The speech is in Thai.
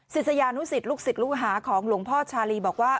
ศิษยานุสิตลูกศิษย์ลูกหาของหลวงพ่อชาลีบอกว่า